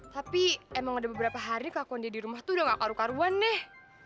tapi emang ada beberapa hari kak kondi di rumah itu udah gak karu karuan deh